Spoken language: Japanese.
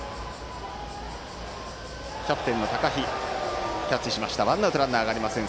キャプテン、高陽がキャッチしてワンアウト、ランナーありません。